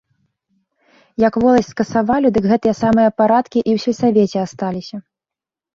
Як воласць скасавалі, дык гэтыя самыя парадкі і ў сельсавеце асталіся.